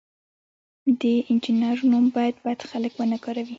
د انجینر نوم باید بد خلک ونه کاروي.